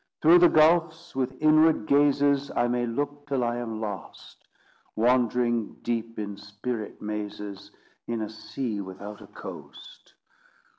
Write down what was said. Through the gulfs, with inward gazes, I may look till I am lost; Wandering deep in spirit mazes, In a sea without a coast.